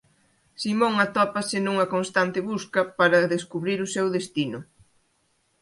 Simon atópase nunha constante busca para descubrir o seu destino.